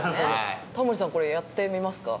タモリさんこれやってみますか？